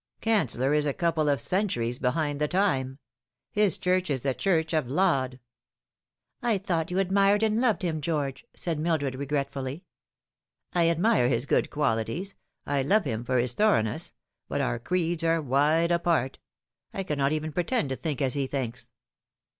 Canceller is a couple of centuries behind the time. His Church is the Church of Laud." "I thought you admired and loved him, George," said Mil dred regretfully. "I admire his good qualities, I love him for his thorough ness ; but our creeds are wide apart. I cannot even pretend to think as he thinks."